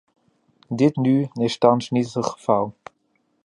Dit nu is thans niet het geval.